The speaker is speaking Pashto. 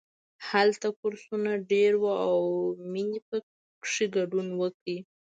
هلته کورسونه ډېر وو او مینې پکې ګډون وکړ